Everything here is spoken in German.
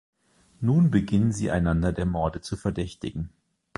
Nun beginnen sie einander der Morde zu verdächtigen.